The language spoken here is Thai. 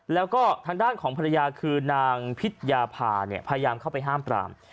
แล้วก็ทางด้านของภรรยาคือนางพิชยาพาเนี่ยพยายามเข้าไปห้ามปราม